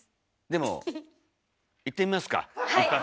でもいってみますか一発。